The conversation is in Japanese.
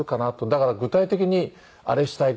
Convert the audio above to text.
だから具体的にあれしたい